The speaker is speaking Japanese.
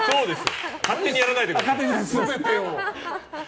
勝手にやらないでください。